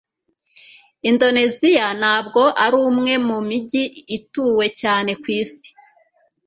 Indoneziya Ntabwo ari umwe mu mijyi ituwe cyane ku isi,